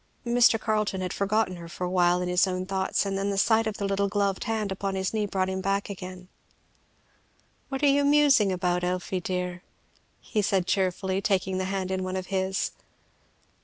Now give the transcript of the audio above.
Mr. Carleton had forgotten her for awhile in his own thoughts, and then the sight of the little gloved hand upon his knee brought him back again. "What are you musing about, Elfie, dear?" he said cheerfully, taking the hand in one of his.